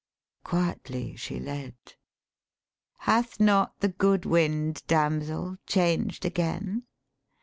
Quietly she led. 'Hath not the good wind, damsel, changed again?'